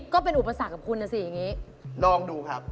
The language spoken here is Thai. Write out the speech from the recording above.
ก็เป็นอุปสรรคกับคุณนะลองดู